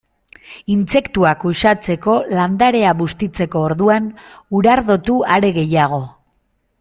Intsektuak uxatzeko landarea bustitzeko orduan, urardotu are gehiago.